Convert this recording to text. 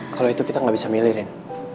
kalau itu kita nggak bisa milih rin